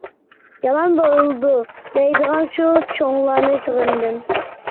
«يامان بولىدۇ» دەيدىغان شۇ چوڭلارنى سېغىندىم.